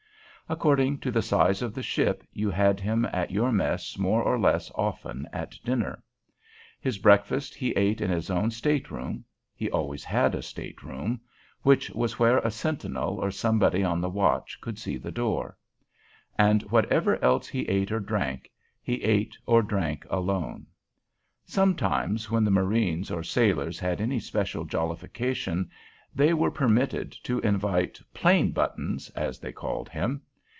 According to the size of the ship, you had him at your mess more or less often at dinner. His breakfast he ate in his own state room, he always had a state room which was where a sentinel or somebody on the watch could see the door. And whatever else he ate or drank, he ate or drank alone. Sometimes, when the marines or sailors had any special jollification, they were permitted to invite "Plain Buttons," as they called him.